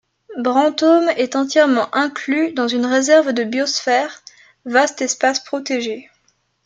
Brantôme est entièrement inclus dans une réserve de biosphère, vaste espace protégé.